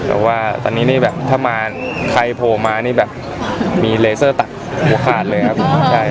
แต่ว่าตอนนี้นี่แบบถ้ามาใครโผล่มานี่แบบมีเลเซอร์ตัดหัวขาดเลยครับ